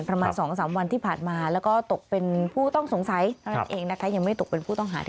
ประมาณ๒๓วันที่ผ่านมาแล้วก็ตกเป็นผู้ต้องสงสัยเองนะคะ